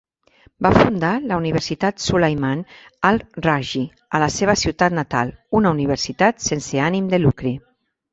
Va fundar la universitat Sulaiman Al Rajhi a la seva ciutat natal, una universitat sense ànim de lucre.